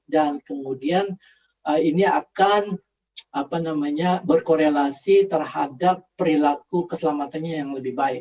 dan kemudian ini akan berkorelasi terhadap perilaku keselamatannya yang lebih baik